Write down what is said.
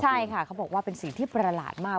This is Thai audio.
ใช่ค่ะเขาบอกว่าเป็นสิ่งที่ประหลาดมาก